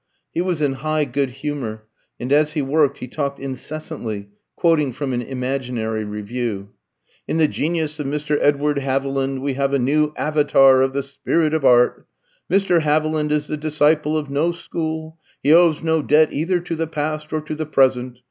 He was in high good humour, and as he worked he talked incessantly, quoting from an imaginary review. "In the genius of Mr. Edward Haviland we have a new Avatar of the spirit of Art. Mr. Haviland is the disciple of no school. He owes no debt either to the past or to the present.